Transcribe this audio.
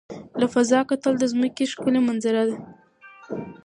له فضا کتل د ځمکې ښکلي منظره ښيي.